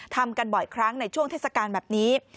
ทำกันบ่อยครั้งในช่วงเทศกาลแบบนี้